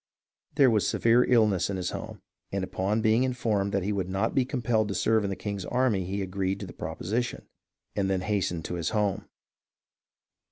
There was severe illness in his home, and upon being informed that he would not be compelled to serve in the king's army he agreed to the proposition, and then hastened to his home.